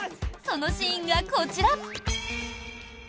そのシーンがこちら。